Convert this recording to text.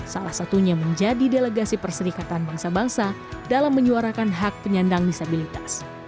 salah satunya menjadi delegasi perserikatan bangsa bangsa dalam menyuarakan hak penyandang disabilitas